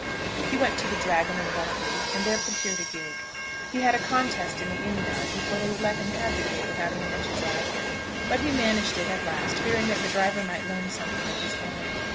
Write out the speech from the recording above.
He went to the Dragon of Wantley, and there procured a gig. He had a contest in the inn yard before they would let him have the gig without a man to drive him; but he managed it at last, fearing that the driver might learn something of his errand.